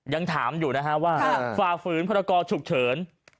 ยังถามอยู่นะฮะว่าฝ่าฝืนพรกรฉุกเฉิน